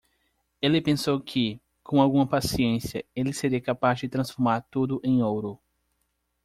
Ele pensou que? com alguma paciência? ele seria capaz de transformar tudo em ouro.